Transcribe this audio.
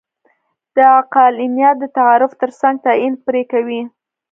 د عقلانیت د تعریف ترڅنګ تعین پرې کوي.